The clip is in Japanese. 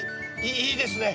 いいですね！